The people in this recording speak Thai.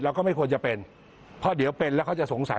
ก็ไม่ควรจะเป็นเพราะเดี๋ยวเป็นแล้วเขาจะสงสัย